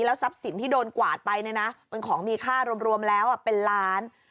ทรัพย์สินที่โดนกวาดไปเนี่ยนะเป็นของมีค่ารวมแล้วเป็นล้าน